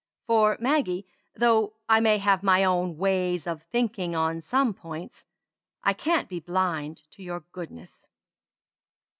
For Maggie, though I may have my own ways of thinking on some points, I can't be blind to your goodness."